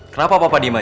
kenapa papa diem aja